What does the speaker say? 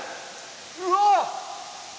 うわっ！